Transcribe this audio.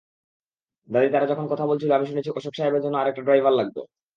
দাদি তারা যখন কথা বলতেছিল, আমি শুনেছি অশোক সাহেবের জন্য আরেকটা ড্রাইভার লাগবে।